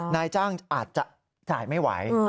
นายจ้างอาจจะจ่ายไม่ไหว